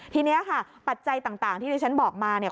ทีนี้ค่ะปัจจัยต่างที่ดิฉันบอกมาเนี่ย